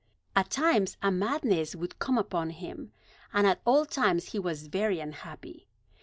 At times a madness would come upon him, and at all times he was very unhappy.